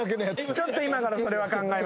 ちょっと今からそれは考えます。